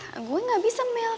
yah gue ga bisa mel